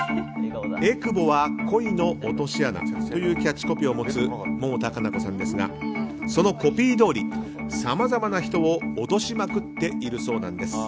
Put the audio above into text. えくぼは恋の落とし穴というキャッチコピーを持つ百田夏菜子さんですがそのコピーどおりさまざまな人を落としまくっているそうなんです。